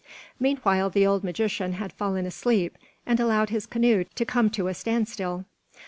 Meanwhile the old magician had fallen asleep and allowed his canoe to come to a standstill.